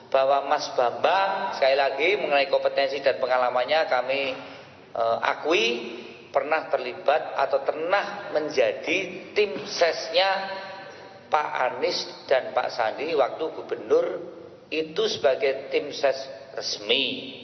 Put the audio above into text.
bahwa mas bambang sekali lagi mengenai kompetensi dan pengalamannya kami akui pernah terlibat atau pernah menjadi tim sesnya pak anies dan pak sandi waktu gubernur itu sebagai tim ses resmi